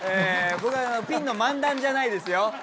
僕ピンの漫談じゃないですよ。